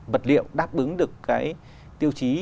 hợp liệu đáp ứng được cái tiêu chí